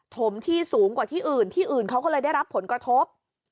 มที่สูงกว่าที่อื่นที่อื่นเขาก็เลยได้รับผลกระทบ